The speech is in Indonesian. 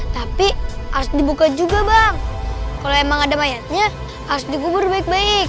tapi harus dibuka juga bang kalau emang ada mayatnya harus digubur baik baik